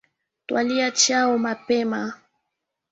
Twalya Chao mapema